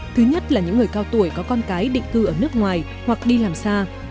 thứ nhất là những người cao tuổi có con cái định cư ở nước ngoài hoặc đi làm xa